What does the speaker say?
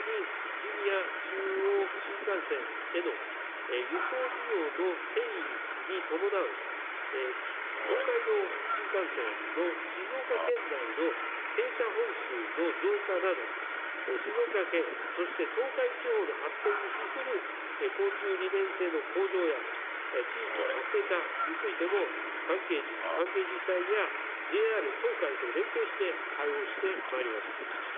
さらにリニア中央新幹線への輸送需要の転移に伴う東海道新幹線の静岡県内の停車本数の増加など、静岡県、そして東海地方の発展に資する交通利便性の向上や、地域活性化についても、関係自治体やＪＲ東海と連携して対応してまいります。